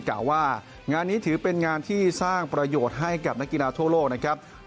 กล่าวว่างานนี้ถือเป็นงานที่สร้างประโยชน์ให้กับนักกีฬาทั่วโลกนะครับ